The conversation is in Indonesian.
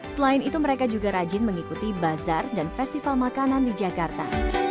selain itu mereka juga rajin mengikuti bazar dan festival makanan di jakarta